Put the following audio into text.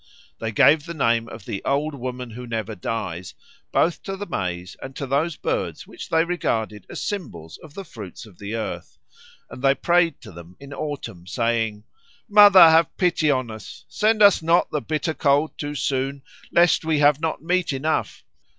They gave the name of the Old Woman who Never Dies both to the maize and to those birds which they regarded as symbols of the fruits of the earth, and they prayed to them in autumn saying, "Mother, have pity on us! send us not the bitter cold too soon, lest we have not meat enough!